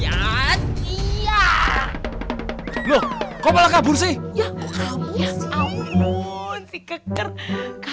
ya lohlek atm else ya kau ngomong alto nun de seletujen kelima